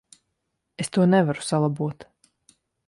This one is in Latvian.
Es to nevaru salabot.